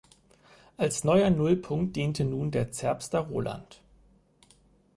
Als neuer Nullpunkt diente nun der Zerbster Roland.